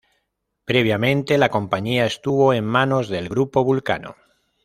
Previamente, la compañía, estuvo en manos del Grupo Vulcano.